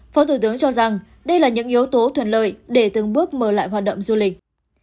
phó thủ tướng cho rằng đây là những yếu tố thuận lợi để từng bước mở lại hoạt động du lịch